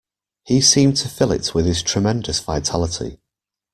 He seemed to fill it with his tremendous vitality.